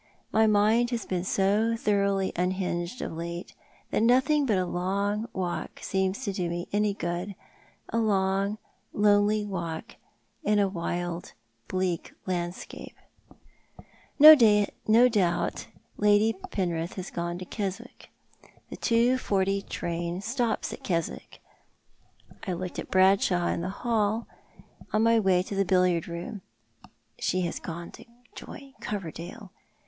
My mind has been so thoroughly unhinged of late that nothing but a long walk seems to do me any good — a long, lonely walk in a wild, bleak landscape. 28o Tlioit art the Man. No doubt Lady Penrith has gone to Keswick. The 2.40 train stops at Keswick. I looked at Bradshaw in the hall on my way to the billiard room. She has gone to join Coverdale.